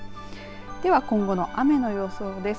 では今後の雨の予想です。